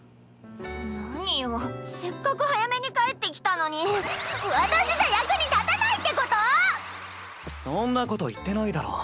何よせっかく早めに帰って来たのに私じゃ役に立たないってこと⁉そんなこと言ってないだろ。